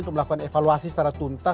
untuk melakukan evaluasi secara tuntas